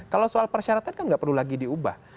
kalau soal persyaratan kan nggak perlu lagi diubah